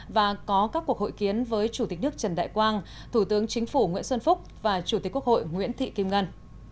và có các cuộc hội kiến với chủ tịch nước trần đại quang thủ tướng chính phủ nguyễn xuân phúc và chủ tịch quốc hội nguyễn thị kim ngân